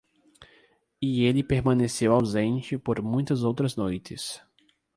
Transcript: E ele permaneceu ausente por muitas outras noites.